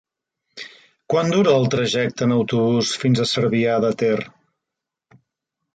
Quant dura el trajecte en autobús fins a Cervià de Ter?